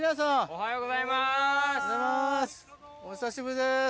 お久しぶりです。